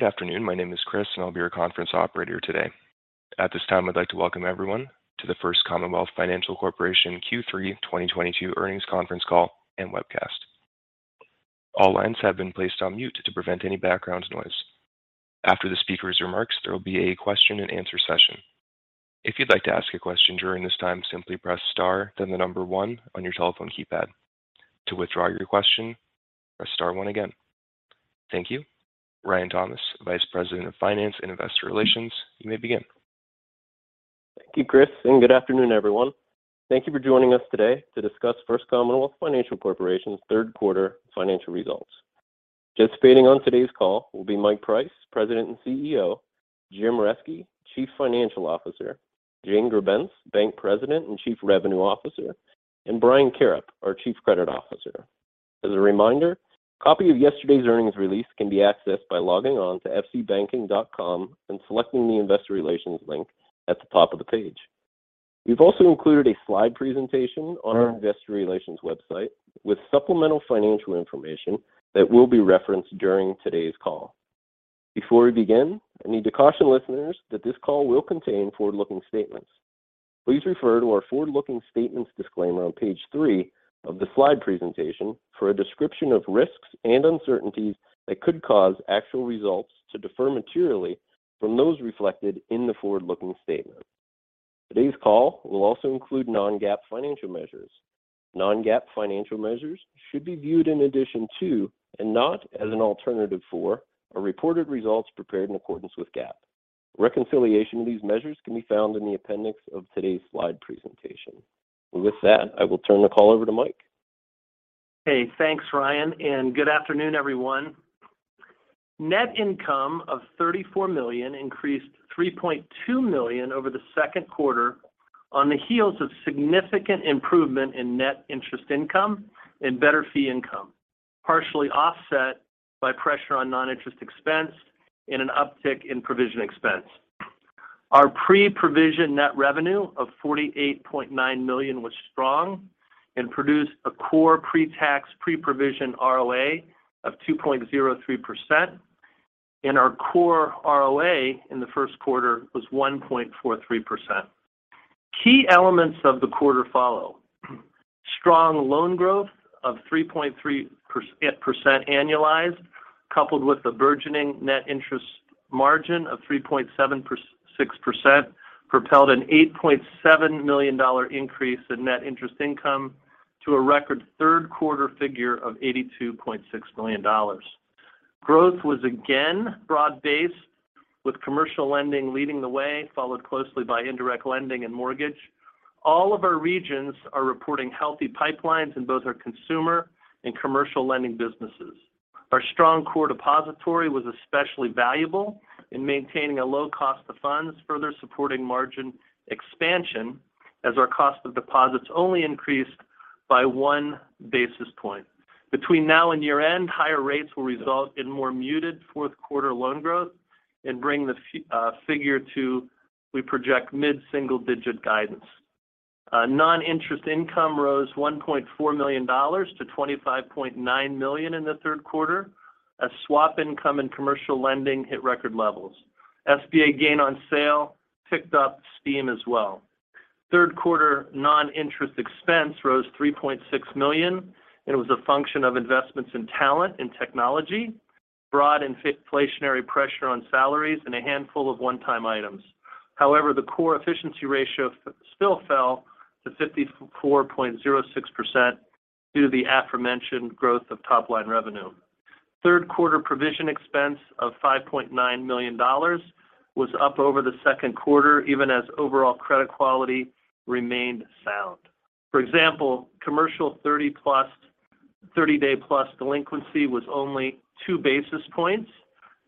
Good afternoon. My name is Chris, and I'll be your conference operator today. At this time, I'd like to welcome everyone to the First Commonwealth Financial Corporation Q3 2022 Earnings Conference Call and Webcast. All lines have been placed on mute to prevent any background noise. After the speaker's remarks, there will be a question and answer session. If you'd like to ask a question during this time, simply press star then the number one on your telephone keypad. To withdraw your question, press star one again. Thank you. Ryan Thomas, Vice President of Finance and Investor Relations, you may begin. Thank you, Chris, and good afternoon, everyone. Thank you for joining us today to discuss First Commonwealth Financial Corporation's third quarter financial results. Participating on today's call will be Mike Price, President and CEO, Jim Reske, Chief Financial Officer, Jane Grebenc, Bank President and Chief Revenue Officer, and Brian Karrip, our Chief Credit Officer. As a reminder, a copy of yesterday's earnings release can be accessed by logging on to fcbanking.com and selecting the Investor Relations link at the top of the page. We've also included a slide presentation on our Investor Relations website with supplemental financial information that will be referenced during today's call. Before we begin, I need to caution listeners that this call will contain forward-looking statements. Please refer to our forward-looking statements disclaimer on page three of the slide presentation for a description of risks and uncertainties that could cause actual results to differ materially from those reflected in the forward-looking statement. Today's call will also include non-GAAP financial measures. Non-GAAP financial measures should be viewed in addition to, and not as an alternative for, our reported results prepared in accordance with GAAP. Reconciliation of these measures can be found in the appendix of today's slide presentation. With that, I will turn the call over to Mike. Hey, thanks, Ryan, and good afternoon, everyone. Net income of $34 million increased $3.2 million over the second quarter on the heels of significant improvement in net interest income and better fee income, partially offset by pressure on non-interest expense and an uptick in provision expense. Our pre-provision net revenue of $48.9 million was strong and produced a core pre-tax, pre-provision ROA of 2.03%, and our core ROA in the first quarter was 1.43%. Key elements of the quarter follow. Strong loan growth of 3.3% annualized, coupled with the burgeoning net interest margin of 3.76% propelled an $8.7 million increase in net interest income to a record third quarter figure of $82.6 million. Growth was again broad-based, with commercial lending leading the way, followed closely by indirect lending and mortgage. All of our regions are reporting healthy pipelines in both our consumer and commercial lending businesses. Our strong core depository was especially valuable in maintaining a low cost of funds, further supporting margin expansion as our cost of deposits only increased by one basis point. Between now and year-end, higher rates will result in more muted fourth quarter loan growth and bring the figure to we project mid-single digit guidance. Non-interest income rose $1.4 million to $25.9 million in the third quarter as swap income and commercial lending hit record levels. SBA gain on sale picked up steam as well. Third quarter non-interest expense rose $3.6 million, and it was a function of investments in talent and technology, broad inflationary pressure on salaries, and a handful of one-time items. However, the core efficiency ratio still fell to 54.06% due to the aforementioned growth of top-line revenue. Third quarter provision expense of $5.9 million was up over the second quarter, even as overall credit quality remained sound. For example, commercial 30+ day delinquency was only two basis points,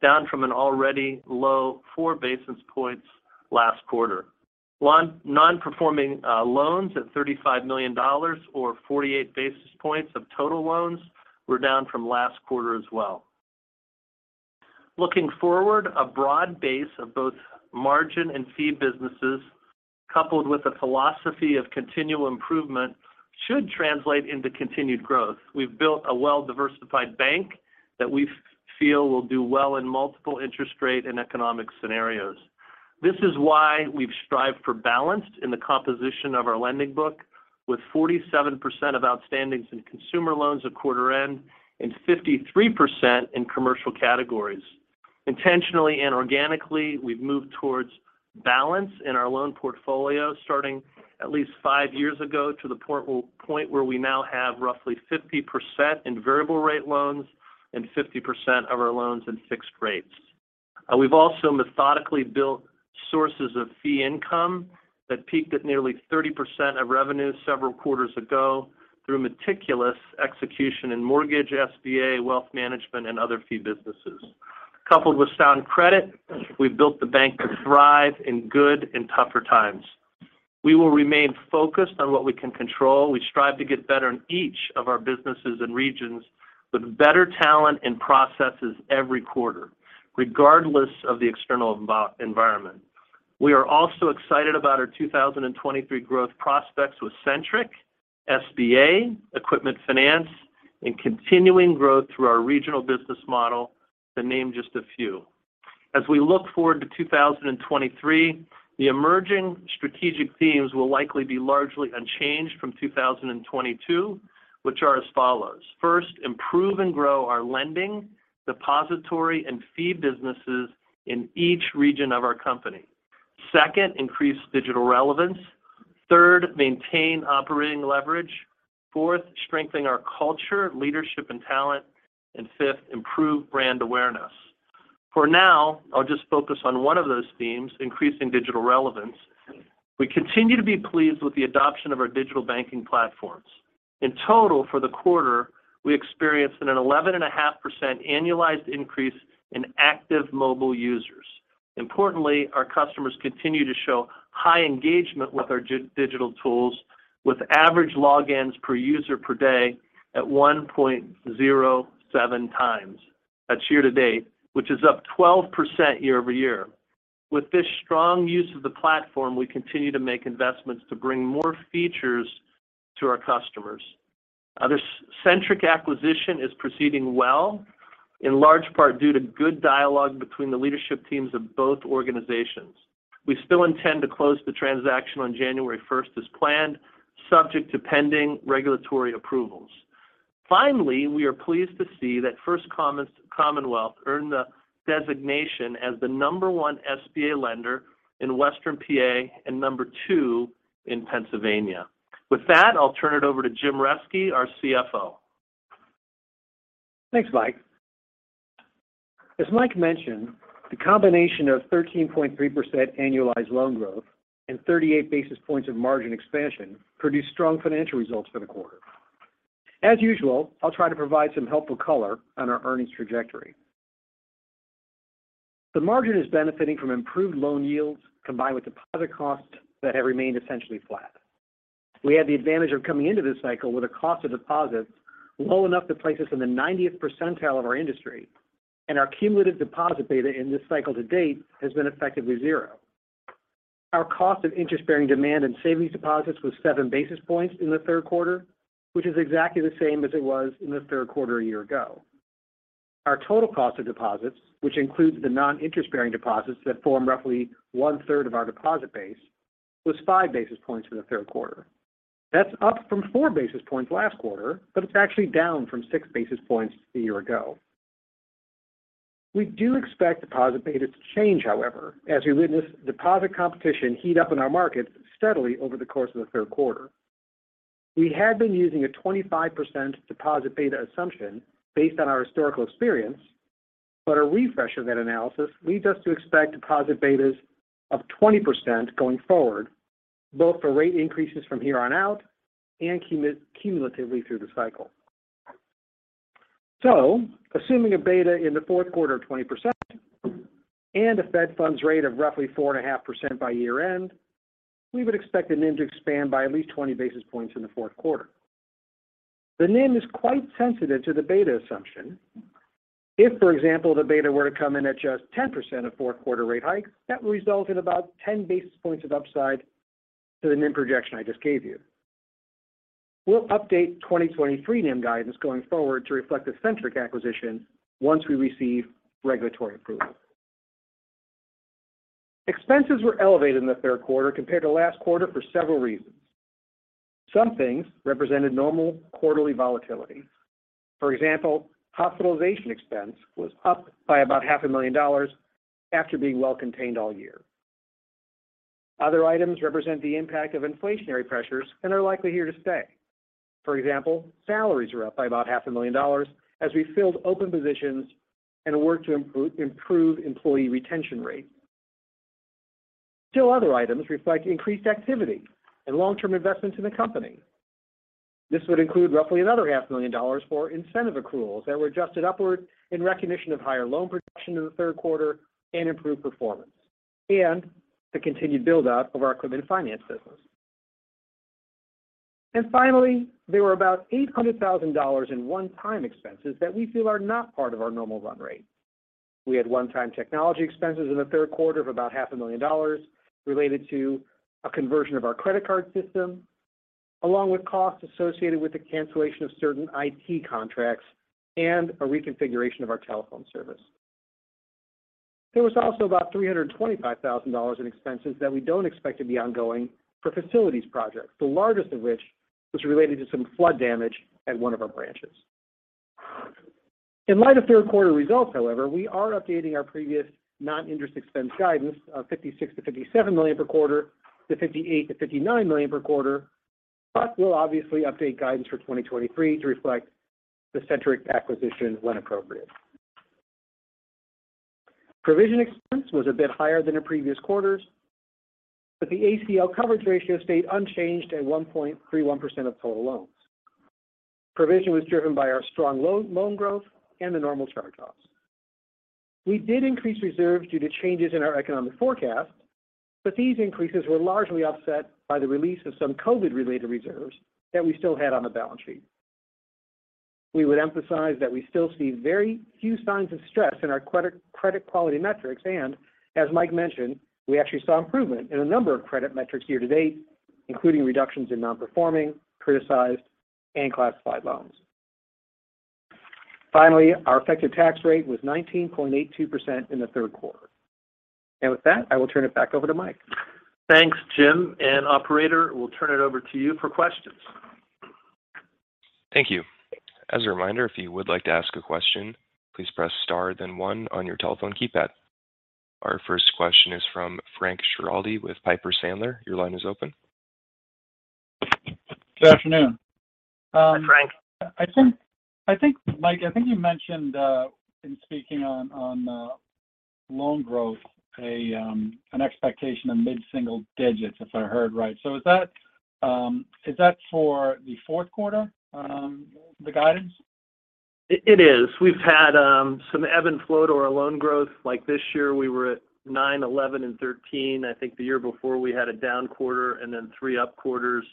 down from an already low four basis points last quarter. Non-performing loans at $35 million for 48 basis points of total loans were down from last quarter as well. Looking forward, a broad base of both margin and fee businesses coupled with a philosophy of continual improvement should translate into continued growth. We've built a well-diversified bank that we feel will do well in multiple interest rate and economic scenarios. This is why we've strived for balance in the composition of our lending book, with 47% of outstandings in consumer loans at quarter end and 53% in commercial categories. Intentionally and organically, we've moved towards balance in our loan portfolio starting at least five years ago to the point where we now have roughly 50% in variable rate loans and 50% of our loans in fixed rates. We've also methodically built sources of fee income that peaked at nearly 30% of revenue several quarters ago through meticulous execution in mortgage, SBA, wealth management, and other fee businesses. Coupled with sound credit, we've built the bank to thrive in good and tougher times. We will remain focused on what we can control. We strive to get better in each of our businesses and regions with better talent and processes every quarter, regardless of the external environment. We are also excited about our 2023 growth prospects with Centric, SBA, Equipment Finance, and continuing growth through our regional business model to name just a few. As we look forward to 2023, the emerging strategic themes will likely be largely unchanged from 2022 which are as follows. First, improve and grow our lending, depository, and fee businesses in each region of our company. Second, increase digital relevance. Third, maintain operating leverage. Fourth, strengthen our culture, leadership, and talent. Fifth, improve brand awareness. For now, I'll just focus on one of those themes, increasing digital relevance. We continue to be pleased with the adoption of our digital banking platforms. In total, for the quarter, we experienced an 11.5% annualized increase in active mobile users. Importantly, our customers continue to show high engagement with our digital tools with average logins per user per day at 1.07x. That's year to date, which is up 12% year-over-year. With this strong use of the platform, we continue to make investments to bring more features to our customers. The Centric acquisition is proceeding well, in large part due to good dialogue between the leadership teams of both organizations. We still intend to close the transaction on January 1st as planned, subject to pending regulatory approvals. Finally, we are pleased to see that First Commonwealth earned the designation as the number one SBA lender in Western PA and number two in Pennsylvania. With that, I'll turn it over to Jim Reske, our CFO. Thanks, Mike. As Mike mentioned, the combination of 13.3% annualized loan growth and 38 basis points of margin expansion produced strong financial results for the quarter. As usual, I'll try to provide some helpful color on our earnings trajectory. The margin is benefiting from improved loan yields combined with deposit costs that have remained essentially flat. We had the advantage of coming into this cycle with a cost of deposits low enough to place us in the 90th percentile of our industry, and our cumulative deposit beta in this cycle to date has been effectively zero. Our cost of interest-bearing demand and savings deposits was 7 basis points in the third quarter, which is exactly the same as it was in the third quarter a year ago. Our total cost of deposits, which includes the non-interest-bearing deposits that form roughly one-third of our deposit base, was five basis points in the third quarter. That's up from four basis points last quarter, but it's actually down from six basis points a year ago. We do expect deposit betas to change, however, as we witnessed deposit competition heat up in our market steadily over the course of the third quarter. We had been using a 25% deposit beta assumption based on our historical experience, but a refresh of that analysis leads us to expect deposit betas of 20% going forward, both for rate increases from here on out and cumulatively through the cycle. Though assuming a beta in the fourth quarter of 20% and a Fed funds rate of roughly 4.5% by year-end, we would expect the NIM to expand by at least 20 basis points in the fourth quarter. The NIM is quite sensitive to the beta assumption. If, for example, the beta were to come in at just 10% of fourth quarter rate hikes, that would result in about 10 basis points of upside to the NIM projection I just gave you. We'll update 2023 NIM guidance going forward to reflect the Centric acquisition once we receive regulatory approval. Expenses were elevated in the third quarter compared to last quarter for several reasons. Some things represented normal quarterly volatility. For example, hospitalization expense was up by about $500,000 after being well contained all year. Other items represent the impact of inflationary pressures and are likely here to stay. For example, salaries are up by about $500,000 as we filled open positions and worked to improve employee retention rate. Still other items reflect increased activity and long-term investments in the company. This would include roughly another half million dollars for incentive accruals that were adjusted upward in recognition of higher loan production in the third quarter and improved performance, and the continued build-out of our Equipment Finance business. Finally, there were about $800,000 in one-time expenses that we feel are not part of our normal run rate. We had one-time technology expenses in the third quarter of about $500,000 related to a conversion of our credit card system, along with costs associated with the cancellation of certain IT contracts and a reconfiguration of our telephone service. There was also about $325,000 in expenses that we don't expect to be ongoing for facilities projects, the largest of which was related to some flood damage at one of our branches. In light of third quarter results, however, we are updating our previous non-interest expense guidance of $56 million-$57 million per quarter to $58 million-$59 million per quarter, but we'll obviously update guidance for 2023 to reflect the Centric acquisition when appropriate. Provision expense was a bit higher than in previous quarters, but the ACL coverage ratio stayed unchanged at 1.31% of total loans. Provision was driven by our strong loan growth and the normal charge-offs. We did increase reserves due to changes in our economic forecast, but these increases were largely offset by the release of some COVID-related reserves that we still had on the balance sheet. We would emphasize that we still see very few signs of stress in our credit quality metrics. As Mike mentioned, we actually saw improvement in a number of credit metrics year to date, including reductions in non-performing, criticized, and classified loans. Finally, our effective tax rate was 19.82% in the third quarter. With that, I will turn it back over to Mike. Thanks, Jim. Operator, we'll turn it over to you for questions. Thank you. As a reminder, if you would like to ask a question, please press star then one on your telephone keypad. Our first question is from Frank Schiraldi with Piper Sandler. Your line is open. Good afternoon. Hi, Frank. I think, Mike, you mentioned uh in speaking um um on loan growth an expectation of mid-single digits, if I heard right. Is that um for the fourth quarter, um the guidance? It is. We've had some ebb and flow to our loan growth. Like, this year we were at 9%, 11%, and 13%. I think the year before we had a down quarter and then three up quarters.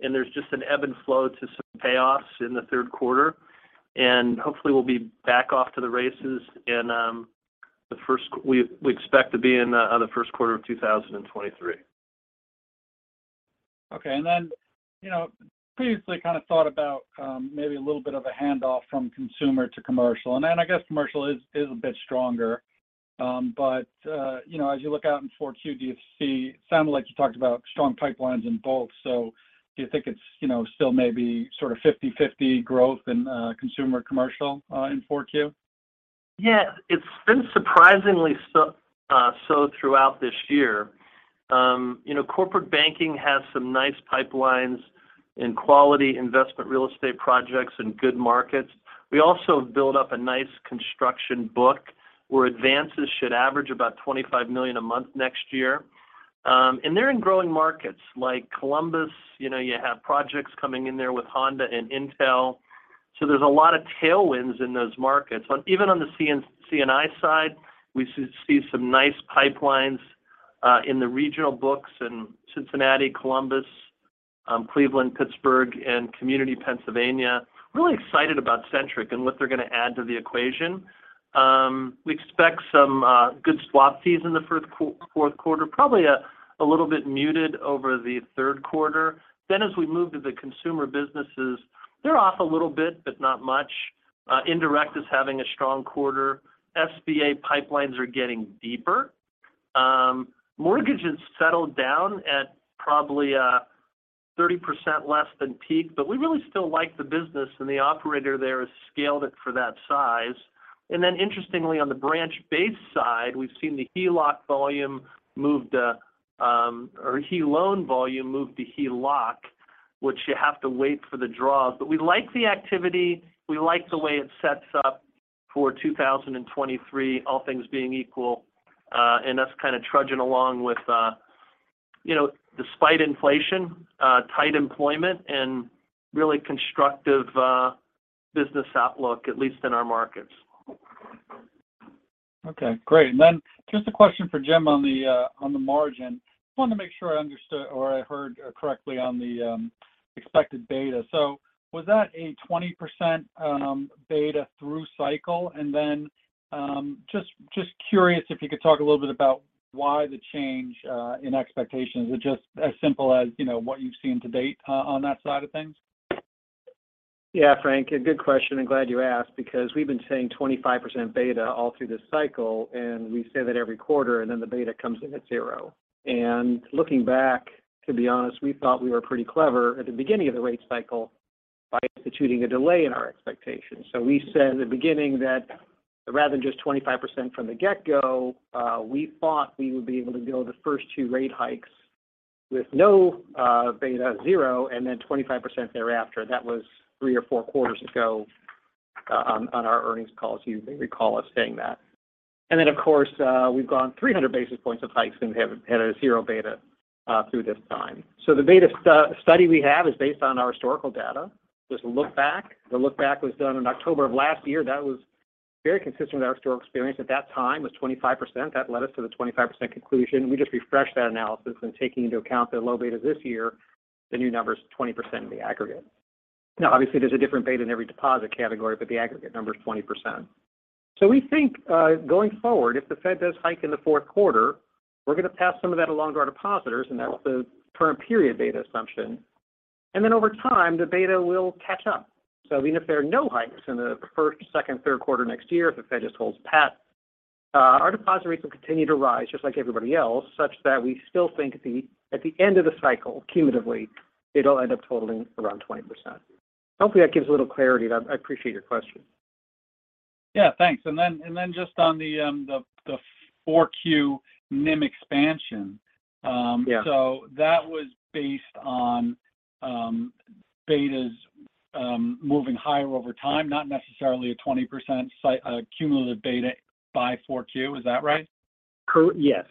There's just an ebb and flow to some payoffs in the third quarter. Hopefully we'll be back off to the races in the first quarter of 2023. Okay. You know, previously kind of thought about maybe a little bit of a handoff from consumer to commercial. I guess commercial is a bit stronger. You know, as you look out in 4Q, do you see? Sounded like you talked about strong pipelines in both. Do you think it's, you know, still maybe sort of 50/50 growth in consumer commercial in 4Q? Yeah. It's been surprisingly so throughout this year. Um you know, corporate banking has some nice pipelines and quality investment real estate projects in good markets. We also build up a nice construction book where advances should average about $25 million a month next year. Um and they're in growing markets like Columbus. You know, you have projects coming in there with Honda and Intel. There's a lot of tailwinds in those markets. Even on the C&I side, we see some nice pipelines in the regional books in Cincinnati, Columbus, Cleveland, Pittsburgh, and Central Pennsylvania more excited about Centric and what they're gonna add to the equation. We expect some good swap fees in the fourth quarter. Probably a little bit muted over the third quarter. As we move to the consumer businesses, they're off a little bit, but not much. Indirect is having a strong quarter. SBA pipelines are getting deeper. Um mortgage has settled down at probably 30% less than peak, but we really still like the business and the operator there has scaled it for that size. And then interestingly on the branch-based side, we've seen the HELOC volume move to or HE loan volume move to HELOC, which you have to wait for the draws. We like the activity. We like the way it sets up for 2023, all things being equal. That's kind of trudging along with uh you know, despite inflation, tight employment, and really constructive business outlook, at least in our markets. Okay. Great. Then just a question for Jim on the margin. Wanted to make sure I understood or I heard correctly on the um expected beta. Was that a 20% um beta through cycle? And then um just curious if you could talk a little bit about why the change in expectations. Is it just as simple as, you know, what you've seen to date on that side of things? Yeah, Frank. A good question. I'm glad you asked because we've been saying 25% beta all through this cycle, and we say that every quarter, and then the beta comes in at zero. Looking back, to be honest, we thought we were pretty clever at the beginning of the rate cycle by instituting a delay in our expectations. We said at the beginning that rather than just 25% from the get-go, we thought we would be able to go the first two rate hikes with no beta, zero, and then 25% thereafter. That was three or four quarters ago on our earnings call, so you may recall us saying that. Of course, we've gone 300 basis points of hikes and have had a zero beta through this time. The beta study we have is based on our historical data. Just look back. The look back was done in October of last year. That was very consistent with our historical experience. At that time it was 25%. That led us to the 25% conclusion. We just refreshed that analysis, and taking into account the low beta this year, the new number is 20% in the aggregate. Now obviously there's a different beta in every deposit category, but the aggregate number is 20%. So we think, going forward, if the Fed does hike in the fourth quarter, we're gonna pass some of that along to our depositors, and that's the current period beta assumption. Then over time, the beta will catch up. Even if there are no hikes in the first, second, third quarter next year, if the Fed just holds pat, our deposit rates will continue to rise just like everybody else, such that we still think at the end of the cycle, cumulatively, it'll end up totaling around 20%. Hopefully, that gives a little clarity. I appreciate your question. Yeah. Thanks. Just on the 4Q NIM expansion. Yeah. That was based on um betas um moving higher over time, not necessarily a 20% cumulative beta by 4Q. Is that right? Yes.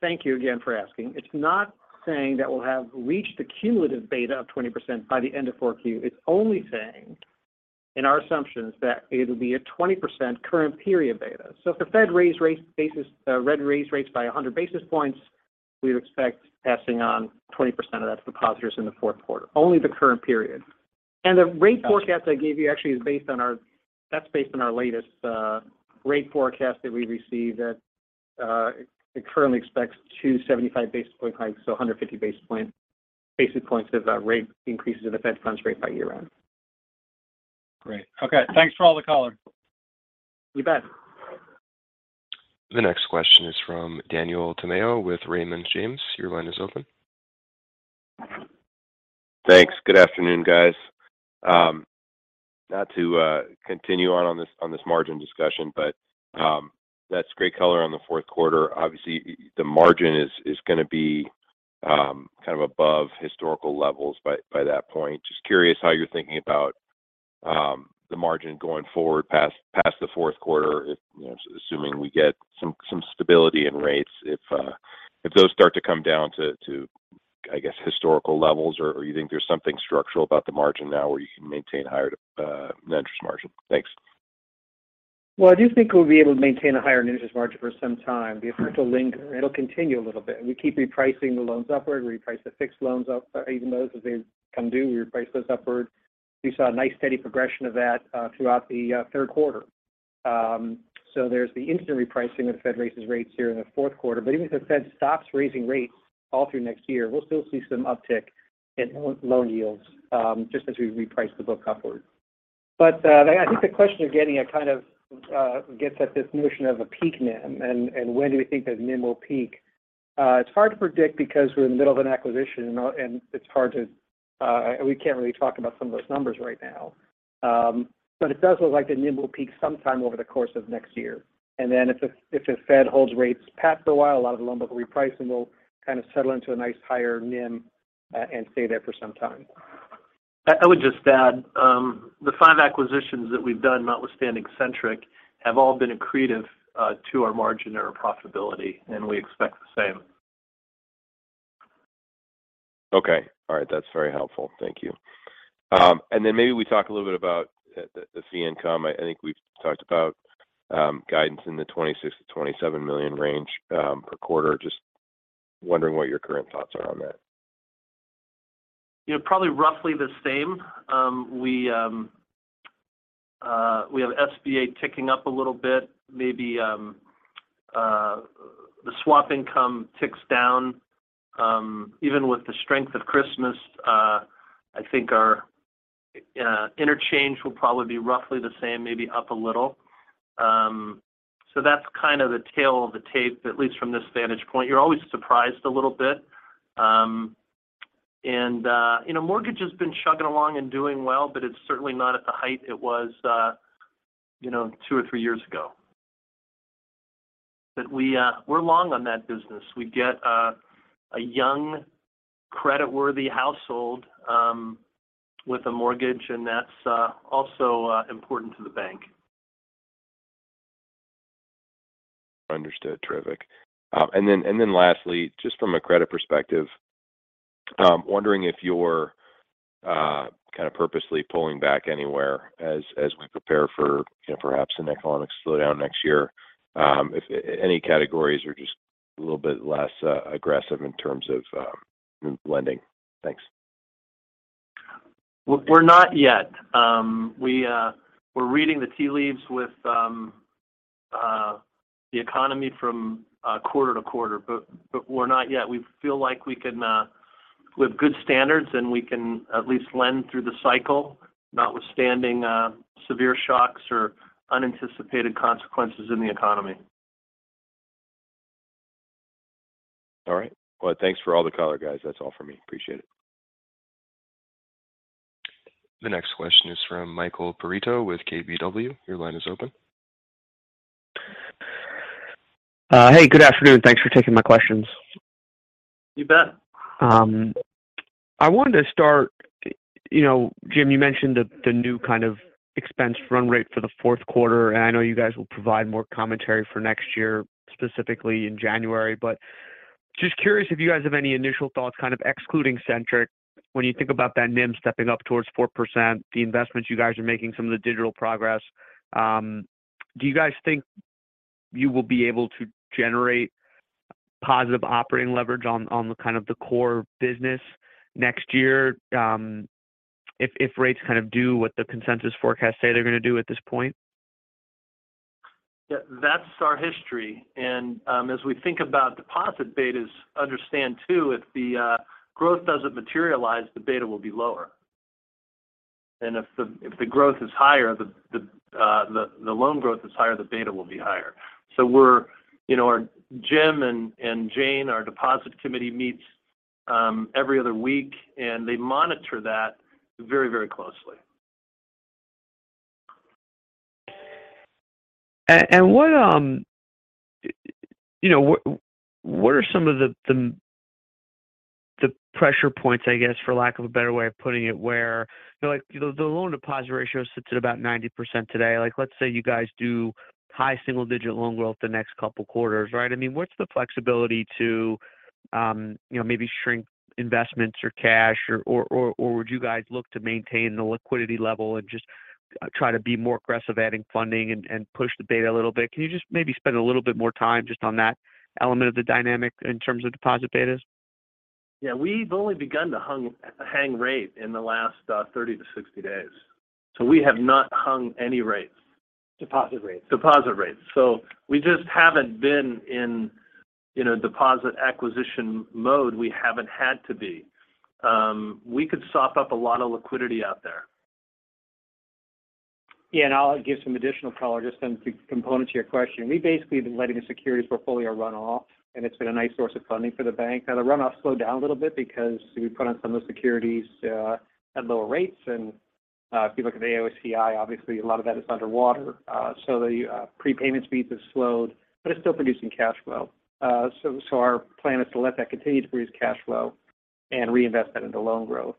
Thank you again for asking. It's not saying that we'll have reached a cumulative beta of 20% by the end of 4Q. It's only saying in our assumptions that it'll be a 20% current period beta. So if the Fed raise rates by 100 basis points, we would expect passing on 20% of that to depositors in the fourth quarter, only the current period. The rate forecast I gave you actually, that's based on our latest rate forecast that we received that it uh currently expects 275 basis point hikes, so 150 basis points of rate increases in the Fed funds rate by year-end. Great. Okay. Thanks for all the color. You bet. The next question is from Daniel Tamayo with Raymond James. Your line is open. Thanks. Good afternoon, guys. Um not to continue on this margin discussion, but um that's great color on the fourth quarter. Obviously, the margin is gonna be um kind of above historical levels by that point. Just curious how you're thinking about um the margin going forward past the fourth quarter if you know assuming we get some stability in rates if those start to come down to I guess historical levels, or you think there's something structural about the margin now where you can maintain higher Net Interest Margin. Thanks. Well, I do think we'll be able to maintain a higher net interest margin for some time. The effort will linger. It'll continue a little bit. We keep repricing the loans upward. We reprice the fixed loans up. Even those as they come due, we reprice those upward. We saw a nice steady progression of that throughout the third quarter. Um so there's the instant repricing if the Fed raises rates here in the fourth quarter. Even if the Fed stops raising rates all through next year, we'll still see some uptick in loan yields um just as we reprice the book upward. I think the question you're getting at kind of uh gets at this notion of a peak NIM and when do we think that NIM will peak. It's hard to predict because we're in the middle of an acquisition and we can't really talk about some of those numbers right now. Um it does look like the NIM will peak sometime over the course of next year. If the Fed holds rates for a while, a lot of the loans will reprice, and we'll kind of settle into a nice higher NIM and stay there for some time. I would just add um the five acquisitions that we've done, notwithstanding Centric, have all been accretive to our margin and our profitability, and we expect the same. Okay. All right. That's very helpful. Thank you. And then maybe we talk a little bit about the fee income. I think we've talked about guidance in the $26 million-$27 million range per quarter. Just wondering what your current thoughts are on that. You know, probably roughly the same. We have SBA ticking up a little bit. Maybe the swap income ticks down. Even with the strength of Christmas, I think our interchange will probably be roughly the same, maybe up a little. That's kind of the tale of the tape, at least from this vantage point. You're always surprised a little bit. You know, mortgage has been chugging along and doing well, but it's certainly not at the height it was, you know, two or three years ago. We're long on that business. We get a young creditworthy household with a mortgage, and that's also important to the bank. Understood. Terrific. Lastly, just from a credit perspective, wondering if you're kind of purposely pulling back anywhere as we prepare for, you know, perhaps an economic slowdown next year. If any categories are just a little bit less aggressive in terms of lending. Thanks. We're not yet. We're reading the tea leaves with um um the economy from quarter to quarter, but we're not yet. We feel like we have good standards, and we can at least lend through the cycle notwithstanding severe shocks or unanticipated consequences in the economy. All right. Well, thanks for all the color, guys. That's all for me. Appreciate it. The next question is from Michael Perito with KBW. Your line is open. Hey, good afternoon. Thanks for taking my questions. You bet. I wanted to start, you know, Jim, you mentioned the new kind of expense run rate for the fourth quarter. I know you guys will provide more commentary for next year, specifically in January. Just curious if you guys have any initial thoughts, kind of excluding Centric, when you think about that NIM stepping up towards 4%, the investments you guys are making, some of the digital progress. Um do you guys think you will be able to generate positive operating leverage on the kind of the core business next year, um if rates kind of do what the consensus forecasts say they're gonna do at this point? That's our history. As we think about deposit betas, understand too if the growth doesn't materialize, the beta will be lower. If the growth is higher, the loan growth is higher, the beta will be higher. You know, our Jim and Jane, our deposit committee, meets every other week, and they monitor that very closely. What you know what are some of the pressure points, I guess, for lack of a better way of putting it, where like the loan deposit ratio sits at about 90% today. Like, let's say you guys do high single-digit loan growth the next couple quarters, right? I mean, what's the flexibility to you know maybe shrink investments or cash or would you guys look to maintain the liquidity level and just try to be more aggressive adding funding and push the beta a little bit? Can you just maybe spend a little bit more time just on that element of the dynamic in terms of deposit betas? Yeah. We've only begun to hike rates in the last 30-60 days. We have not hiked any rates. Deposit rates. Deposit rates. We just haven't been in, you know, deposit acquisition mode. We haven't had to be. We could sop up a lot of liquidity out there. Yeah. I'll give some additional color just on the component to your question. We basically have been letting the securities portfolio run off, and it's been a nice source of funding for the bank. Now the runoff slowed down a little bit because we put on some of the securities at lower rates. If you look at the AOCI, obviously a lot of that is underwater. The prepayment speeds have slowed, but it's still producing cash flow. Our plan is to let that continue to produce cash flow and reinvest that into loan growth.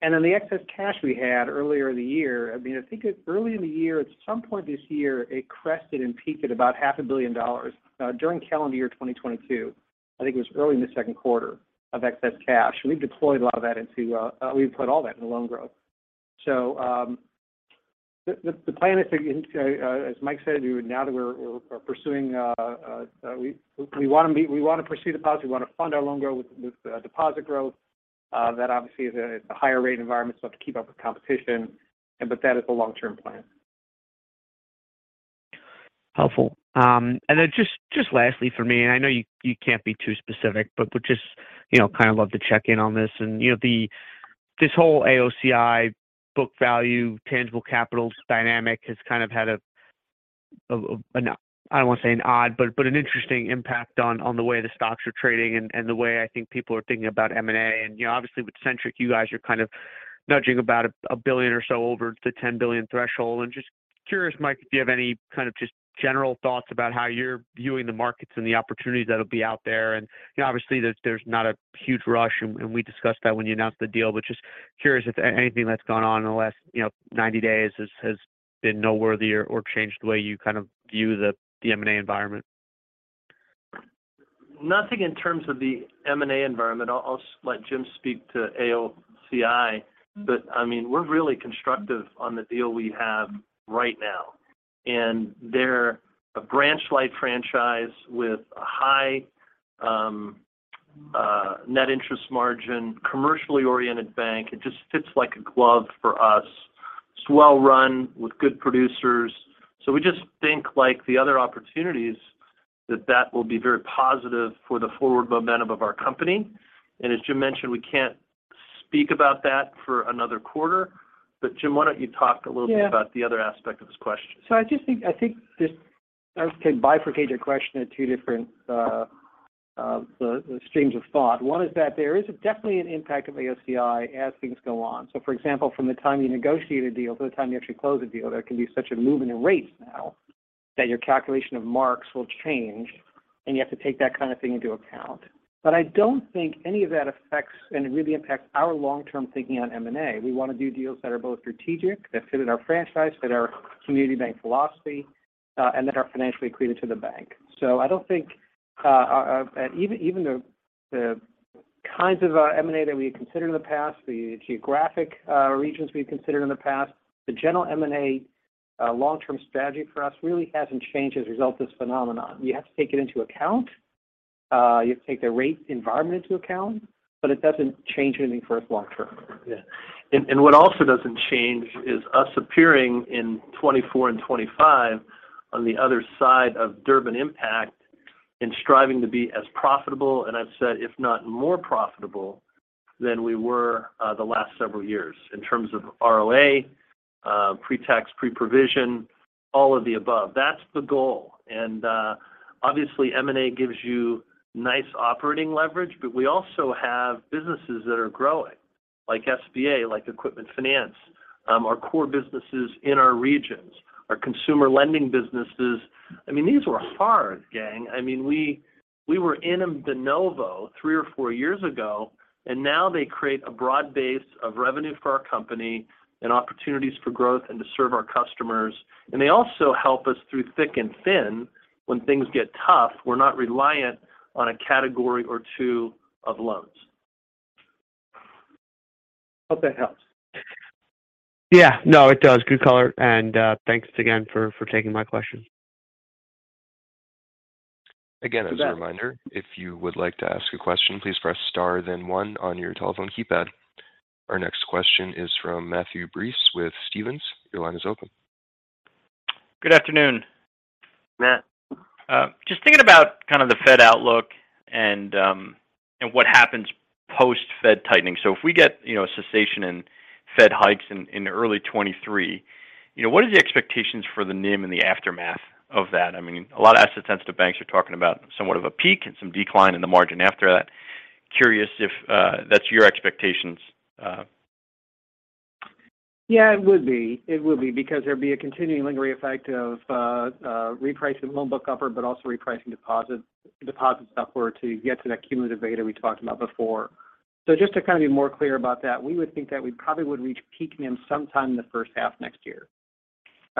Then the excess cash we had earlier in the year, I mean, I think early in the year, at some point this year, it crested and peaked at about half a billion dollars during calendar year 2022. I think it was early in the second quarter of excess cash. We've put all that into loan growth. The plan is to, as Mike said, now that we're pursuing, we want to pursue deposit. We want to fund our loan growth with deposit growth. That obviously is a higher rate environment, so have to keep up with competition but that is the long-term plan. Helpful. Then just lastly for me, and I know you can't be too specific, but would just, you know, kind of love to check in on this. You know, this whole AOCI book value tangible capital dynamic has kind of had a, I don't want to say an odd, but an interesting impact on the way the stocks are trading and the way I think people are thinking about M&A. You know, obviously with Centric, you guys are kind of nudging about $1 billion or so over the $10 billion threshold. Just curious, Mike, if you have any kind of just general thoughts about how you're viewing the markets and the opportunities that'll be out there. You know, obviously there's not a huge rush, and we discussed that when you announced the deal. Just curious if anything that's gone on in the last, you know, 90 days has been noteworthy or changed the way you kind of view the M&A environment? Nothing in terms of the M&A environment. I'll let Jim speak to AOCI. I mean, we're really constructive on the deal we have right now. They're a branch light franchise with a high net interest margin, commercially oriented bank. It just fits like a glove for us. It's well run with good producers. We just think like the other opportunities that will be very positive for the forward momentum of our company. As Jim mentioned, we can't speak about that for another quarter. Jim, why don't you talk a little bit about the other aspect of this question? I think I can bifurcate your question in two different uh streams of thought. One is that there is definitely an impact of AOCI as things go on. For example, from the time you negotiate a deal to the time you actually close a deal, there can be such a movement in rates now that your calculation of marks will change, and you have to take that kind of thing into account. I don't think any of that affects and really impacts our long-term thinking on M&A. We want to do deals that are both strategic, that fit in our franchise, fit our community bank philosophy, and that are financially accretive to the bank. I don't think even the kinds of M&A that we had considered in the past, the geographic regions we've considered in the past, the general M&A long-term strategy for us really hasn't changed as a result of this phenomenon. You have to take it into account, you have to take the rate environment into account, but it doesn't change anything for us long term. Yeah. What also doesn't change is us appearing in 2024 and 2025 on the other side of Durbin impact and striving to be as profitable, and I've said, if not more profitable than we were, the last several years in terms of ROA, um pre-tax, pre-provision, all of the above. That's the goal. Obviously, M&A gives you nice operating leverage, but we also have businesses that are growing, like SBA, like equipment finance, our core businesses in our regions, our consumer lending businesses. I mean, these were hard, gang. I mean, we were in them de novo three or four years ago, and now they create a broad base of revenue for our company and opportunities for growth and to serve our customers. They also help us through thick and thin when things get tough. We're not reliant on a category or two of loans. Hope that helps. Yeah. No, it does. Good color. Thanks again for taking my question. Again, as a reminder, if you would like to ask a question, please press star then one on your telephone keypad. Our next question is from Matthew Breese with Stephens. Your line is open. Good afternoon. Matt. Just thinking about kind of the Fed outlook and what happens post-Fed tightening. If we get, you know, a cessation in Fed hikes in early 2023, you know, what is the expectations for the NIM in the aftermath of that? I mean, a lot of asset-sensitive banks are talking about somewhat of a peak and some decline in the margin after that. Curious if that's your expectations. Yeah, it would be. It would be because there'd be a continuing lingering effect of repricing loan book upward, but also repricing deposit side for to get to that cumulative beta we talked about before. Just to kind of be more clear about that, we would think that we probably would reach peak NIM sometime in the first half next year.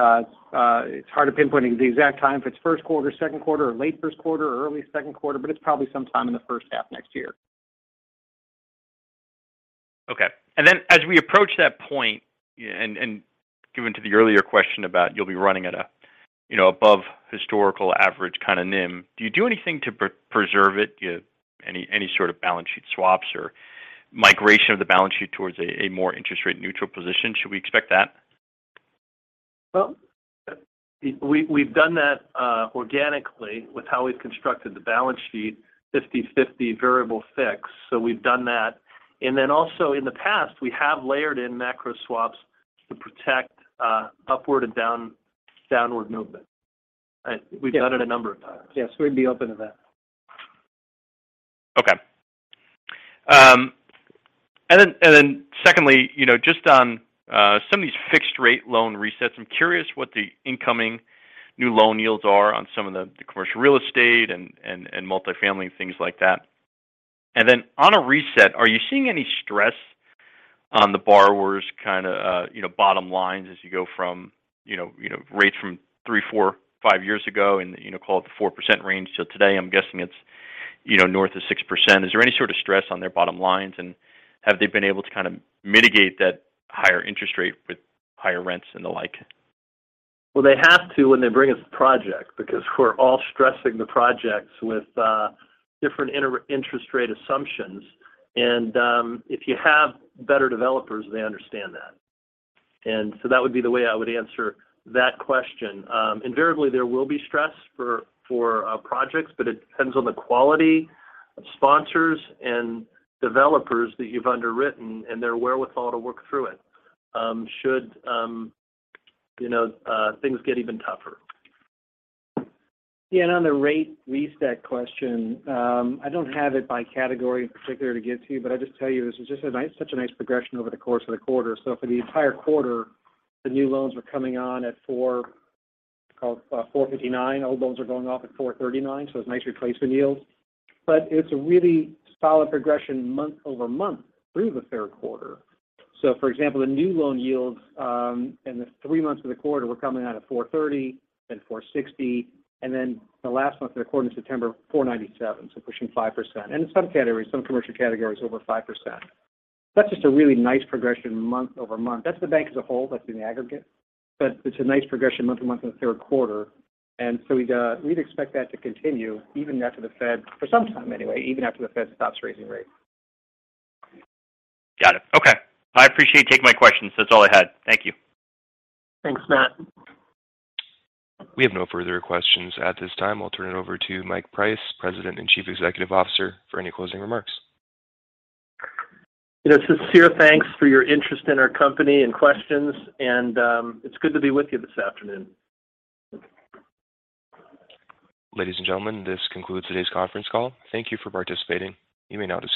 It's hard to pinpoint the exact time if it's first quarter, second quarter, or late first quarter or early second quarter, but it's probably sometime in the first half next year. Okay. Then as we approach that point and given the earlier question about you'll be running at a, you know, above historical average kind of NIM. Do you do anything to preserve it? Do you have any sort of balance sheet swaps or migration of the balance sheet towards a more interest rate neutral position? Should we expect that? Well, we've done that organically with how we've constructed the balance sheet, 50/50 variable/fixed. We've done that. Then also in the past, we have layered in macro swaps to protect upward and downward movement. We've done it a number of times. Yes, we'd be open to that. Okay. Then secondly, you know, just on some of these fixed rate loan resets. I'm curious what the incoming new loan yields are on some of the commercial real estate and multifamily and things like that. On a reset, are you seeing any stress on the borrowers kinda you know bottom lines as you go from you know rates from three, four, five years ago and you know call it the 4% range till today, I'm guessing it's you know north of 6%. Is there any sort of stress on their bottom lines, and have they been able to kind of mitigate that higher interest rate with higher rents and the like? Well, they have to when they bring us the project because we're all stressing the projects with different interest rate assumptions. If you have better developers, they understand that. That would be the way I would answer that question. Invariably there will be stress for projects, but it depends on the quality of sponsors and developers that you've underwritten and their wherewithal to work through it, should you know things get even tougher. Yeah. On the rate reset question, I don't have it by category in particular to get to, but I just tell you this is just such a nice progression over the course of the quarter. For the entire quarter, the new loans are coming on at 4.59%, call it 4.59%. Old loans are going off at 4.39%, so it's nice replacement yields. It's a really solid progression month-over-month through the third quarter. For example, the new loan yields in the three months of the quarter were coming out at 4.30%, then 4.60%, and then the last month of the quarter in September, 4.97%. Pushing 5%. In some categories, some commercial categories over 5%. That's just a really nice progression month-over-month. That's the bank as a whole, that's in the aggregate. It's a nice progression month-to-month in the third quarter. And so we'd expect that to continue even after the Fed for some time anyway, even after the Fed stops raising rates. Got it. Okay. I appreciate you taking my questions. That's all I had. Thank you. Thanks, Matt. We have no further questions at this time. I'll turn it over to Mike Price, President and Chief Executive Officer, for any closing remarks. You know, sincere thanks for your interest in our company and questions, and it's good to be with you this afternoon. Ladies and gentlemen, this concludes today's conference call. Thank you for participating. You may now disconnect.